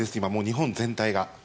日本全体が。